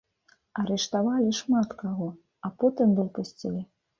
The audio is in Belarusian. Арыштавалі шмат каго, а потым выпусцілі.